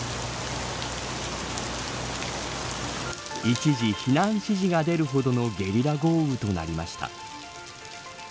一時避難指示が出るほどのゲリラ豪雨となりました。